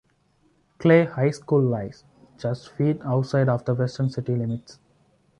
Clay High School lies just feet outside of the western city limits.